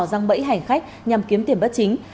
răng bẫy hành khách nhằm kiếm tiền bất chính